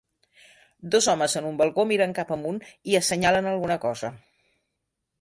Dos homes en un balcó miren cap amunt i assenyalen alguna cosa.